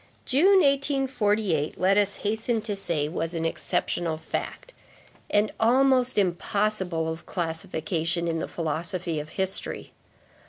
June, 1848, let us hasten to say, was an exceptional fact, and almost impossible of classification, in the philosophy of history.